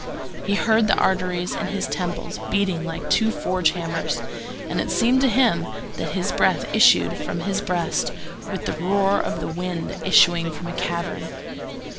He heard the arteries in his temples beating like two forge hammers, and it seemed to him that his breath issued from his breast with the roar of the wind issuing from a cavern.